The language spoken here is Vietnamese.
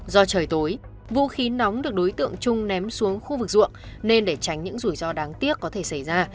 do trời tối vũ khí nóng được đối tượng trung ném xuống khu vực ruộng nên để tránh những rủi ro đáng tiếc có thể xảy ra